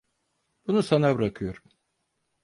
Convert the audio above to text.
Bunu sana bırakıyorum.